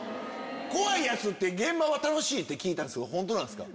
怖いやつって現場は楽しいって聞いたんすけど本当ですか？